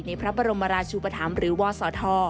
ในพระบรมราชุปธรรมหรือวศธ